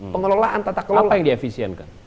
pengelolaan tata kelola apa yang diefisiensi